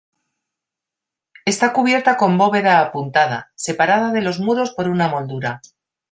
Está cubierta con bóveda apuntada, separada de los muros por una moldura.